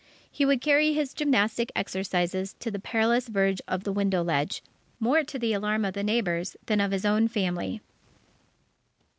He would carry his gymnastic exercises to the perilous verge of the window ledge, more to the alarm of the neighbours than of his own family.